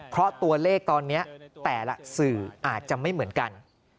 เพราะตัวเลขตอนนี้แต่ละสื่ออาจจะไม่เหมือนกัน